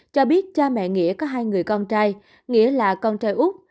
cho biết cha mẹ nghĩa có hai người con trai nghĩa là con trai úc